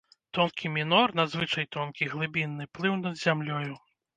Тонкі мінор, надзвычай тонкі, глыбінны, плыў над зямлёю.